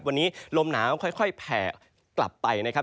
วันนี้ลมหนาวค่อยแผ่กลับไปนะครับ